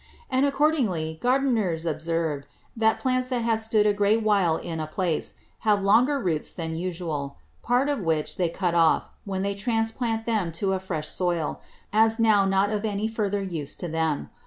And accordingly Gardiners observe, that Plants that have stood a great while in a Place, have longer Roots than usual; part of which they cut off, when they transplant them to a fresh Soil, as now not of any further use to them.